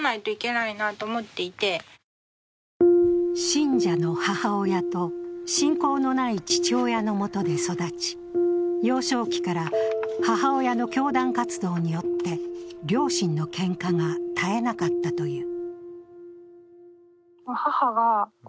信者の母親と信仰のない父親のもとで育ち、幼少期から母親の教団活動によって、両親のけんかが絶えなかったという。